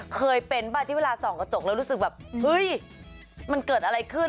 เคยเป็นป่ะที่เวลาส่องกระจกแล้วรู้สึกแบบเฮ้ยมันเกิดอะไรขึ้น